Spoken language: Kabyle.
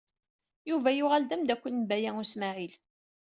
Yuba yuɣal d amdakel n Baya U Smaɛil.